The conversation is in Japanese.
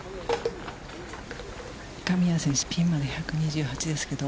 神谷選手、ピンまで１２８ですけど。